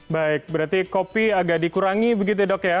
baik berarti kopi agak dikurangi begitu ya dok ya